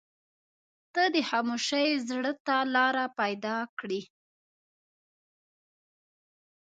• ته د خاموشۍ زړه ته لاره پیدا کړې.